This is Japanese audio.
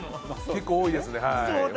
結構、多いです。